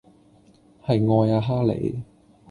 係愛呀哈利